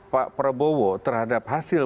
pak prabowo terhadap hasil